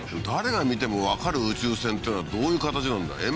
誰が見ても分かる宇宙船っていうのはどういう形なんだ？